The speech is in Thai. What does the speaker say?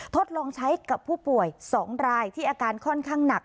ทดลองใช้กับผู้ป่วย๒รายที่อาการค่อนข้างหนัก